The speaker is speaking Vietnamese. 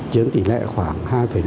trường tỷ lệ khoảng hai năm